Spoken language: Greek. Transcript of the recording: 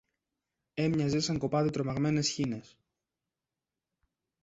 έμοιαζε σαν κοπάδι τρομαγμένες χήνες.